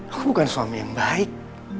aku bukan suami yang baik